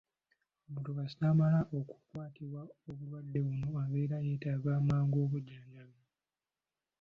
Omuntu kasita amala okukwatibwa obulwadde buno abeera yeetaaga mangu obujjanjabi.